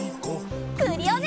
クリオネ！